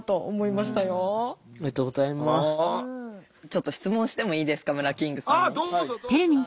ちょっと質問してもいいですかムラキングさんに。